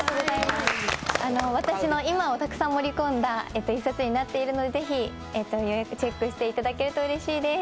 私の今をたくさん盛り込んだ一冊になっているのでぜひ予約チェックしていただけるとうれしいです。